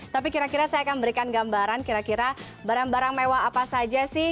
tapi kira kira saya akan memberikan gambaran kira kira barang barang mewah apa saja sih